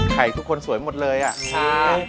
ไข่ทุกคนสวยหมดเลยช่าง